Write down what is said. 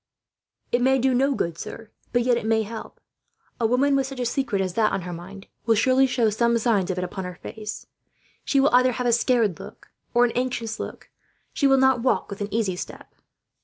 "It may do no good, sir, but yet it may help. A woman, with such a secret as that on her mind, will surely show some signs of it upon her face. She will either have a scared look, or an anxious look. She will not walk with an easy step." "Well, there is something in what you say, Pierre.